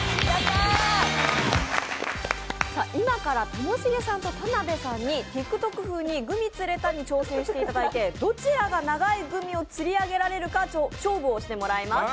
今からともしげさんと田辺さんに、ＴｉｋＴｏｋ風にグミつれたに挑戦していただいて、どちらが長いグミをつり上げられるか勝負をしていただきます。